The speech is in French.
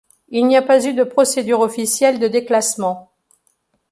Il n’y a pas eu de procédure officielle de déclassement.